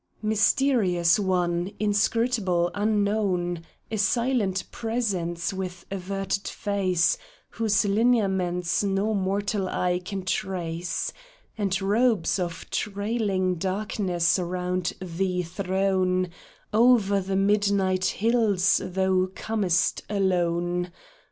Mysterious One, inscrutable, unknown, A silent Presence, with averted face Whose lineaments no mortal eye can trace, And robes of trailing darkness round thee thrown, Over the midnight hills thou comest alone